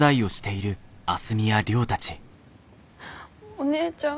お姉ちゃん。